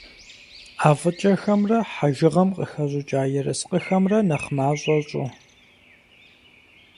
ӀэфӀыкӀэхэмрэ хьэжыгъэм къыхэщӀыкӀа ерыскъыхэмрэ нэхъ мащӀэ щӀы.